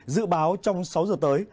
dự báo trong sáu giờ tới